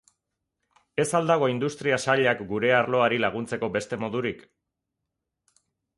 Ez al dago Industria Sailak gure arloari laguntzeko beste modurik?